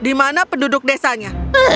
di mana penduduk desanya